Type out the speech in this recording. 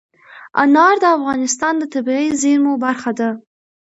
انار د افغانستان د طبیعي زیرمو برخه ده.